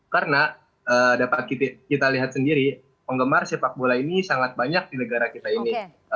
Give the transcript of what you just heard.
karena dapat kita lihat sendiri penggemar sepak bola ini sangat banyak di negara kita ini